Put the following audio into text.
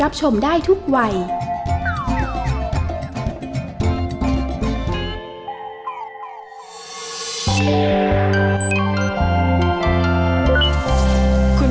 ร้องได้ให้ร้าง